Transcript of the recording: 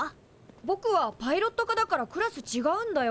ぼくはパイロット科だからクラスちがうんだよ。